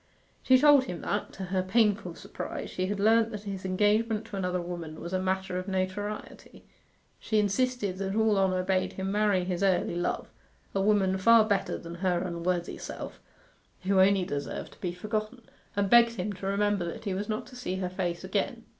She told him that, to her painful surprise, she had learnt that his engagement to another woman was a matter of notoriety. She insisted that all honour bade him marry his early love a woman far better than her unworthy self, who only deserved to be forgotten, and begged him to remember that he was not to see her face again.